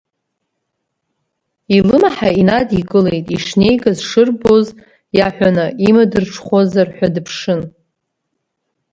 Илымҳа инадикылеит, ишнеигаз шырбоз иаҳәаны, имадырҽхәозар ҳәа дыԥшын.